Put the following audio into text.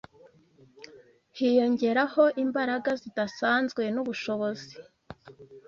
hiyongereyeho imbaraga zidasanzwe n’ubushobozi